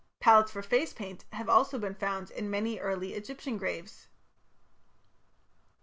Palettes for face paint have also been found in many early Egyptian graves.